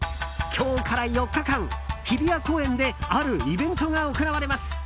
今日から４日間、日比谷公園であるイベントが行われます。